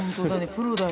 プロだよ。